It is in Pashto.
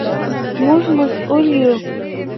موږ مسوول یو.